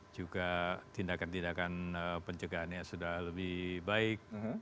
juga tindakan tindakan pencegahannya sudah lebih baik